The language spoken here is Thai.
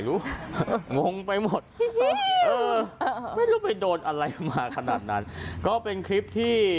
งงไปหมดเออไม่รู้ไปโดนอะไรมาขนาดนั้นก็เป็นคลิปที่